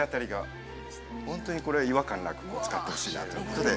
ホントにこれは違和感なく使ってほしいなということで。